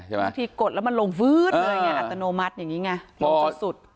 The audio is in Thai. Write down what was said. บางทีกดแล้วมันลงฟื๊ดเลยไงอัตโนมัติอย่างนี้ไงลงสุด